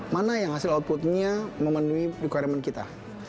mana yang hasil outputnya memenuhi requirement kita